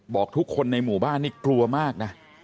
บอกทุกคนในหมู่บ้านนี่กลัวมากนะ